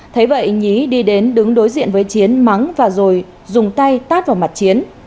thấy vậy nhí đi đến đứng đối diện với chiến mắng và rồi dùng tay tát vào mặt chiến